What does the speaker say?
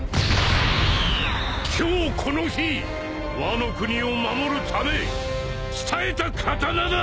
今日この日ワノ国を守るため鍛えた刀だカイドウ！